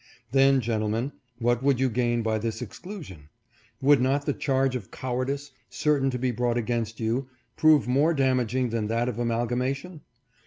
Then, gentlemen, what would you gain by this exclusion ? Would not the charge of cowardice, certain to be brought against you, prove more damaging than that of amalgamation